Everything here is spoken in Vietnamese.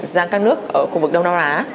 giam các nước ở khu vực đông nam á